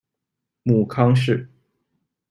母康氏。